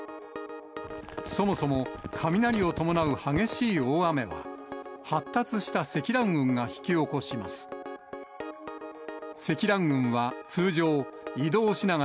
そもそも雷を伴う激しい大雨は、発達した積乱雲が引き起こします。